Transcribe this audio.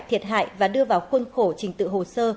thiệt hại và đưa vào khuôn khổ trình tự hồ sơ